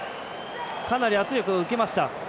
かなり圧力を受けました。